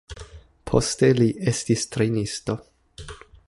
Poste li estis trejnisto.